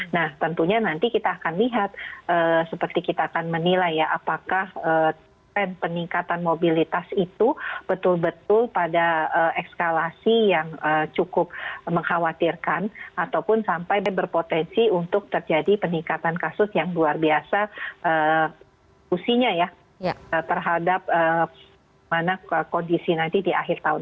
nah tentunya nanti kita akan lihat seperti kita akan menilai apakah peningkatan mobilitas itu betul betul pada ekskalasi yang cukup mengkhawatirkan ataupun sampai berpotensi untuk terjadi peningkatan kasus yang luar biasa usinya ya terhadap kondisi nanti di akhir tahun